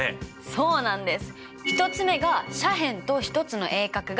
そうなんです。